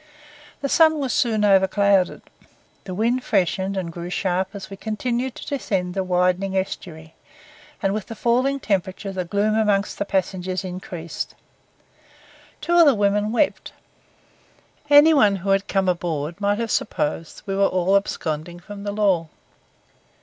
The sun was soon overclouded, the wind freshened and grew sharp as we continued to descend the widening estuary; and with the falling temperature the gloom among the passengers increased. Two of the women wept. Any one who had come aboard might have supposed we were all absconding from the law.